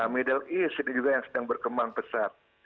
middle east juga yang sedang berkembang besar